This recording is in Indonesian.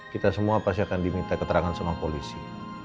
kita semua pasti akan diminta keterangan sama polisi